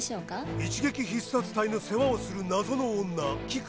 一撃必殺隊の世話をする謎の女キク。